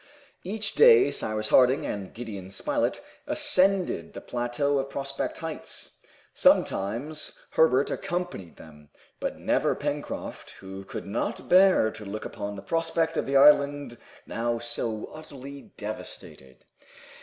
Each day Cyrus Harding and Gideon Spilett ascended the plateau of Prospect Heights. Sometimes Herbert accompanied them, but never Pencroft, who could not bear to look upon the prospect of the island now so utterly devastated.